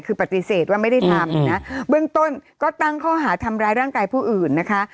คือปฏิเสธว่าไม่ได้ทำนะเบื้องต้นก็ตั้งข้อหาทำร้ายร่างกายผู้อื่นนะคะ